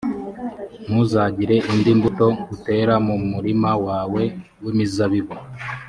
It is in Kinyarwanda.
ntuzagire indi mbuto utera mu murima wawe w’imizabibu;